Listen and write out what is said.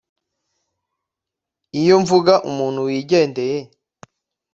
Iyo mvuga umuntu wigendeye